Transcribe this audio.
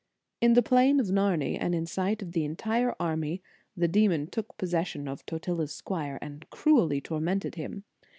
In the plain of Narni, and in sight of the entire army, the demon took possession of Totila s squire, and cruelly tormented him.